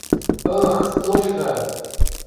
Ы-ы-х, толькы!